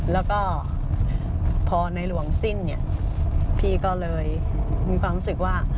แล้วก็พอในหลวงสิ้นเนี่ยพี่ก็เลยมีความรู้สึกว่า